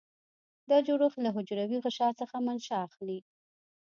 دا جوړښت له حجروي غشا څخه منشأ اخلي.